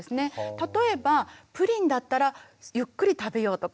例えばプリンだったらゆっくり食べようとか。